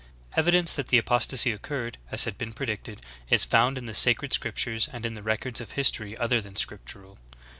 2. Evidence that the apostasy occurred as had been pre dicted is found in the sacred scriptures and in the records of history other than scriptural.